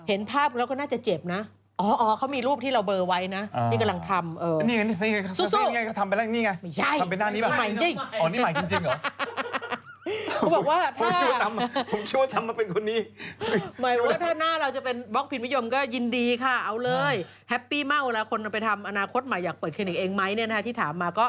เอ้าเรื่องอะไรอ่ะ